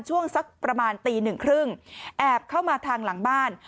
ช่วงสักประมาณตี๑๓๐แอบเข้ามาทางหลังบ้าน